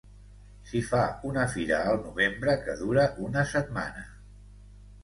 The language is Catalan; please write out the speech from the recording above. S'hi fa una fira al novembre que dura una setmana.